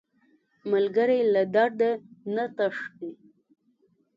ملګری له درده نه تښتي